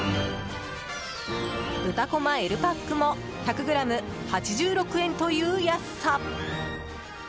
豚こまＬパックも１００ｇ８６円という安さ。